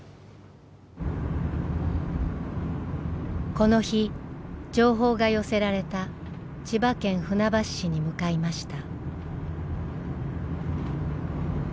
この日情報が寄せられた千葉県船橋市に向かいました。